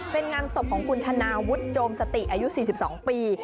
เป็นงานศพของคุณธนาวุฒิโจมสติอายุ๔๒ปี